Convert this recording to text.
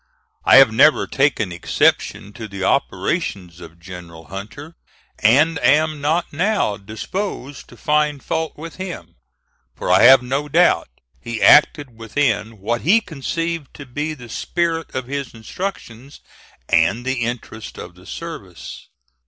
I have never taken exception to the operations of General Hunter, and am not now disposed to find fault with him, for I have no doubt he acted within what he conceived to be the spirit of his instructions and the interests of the service.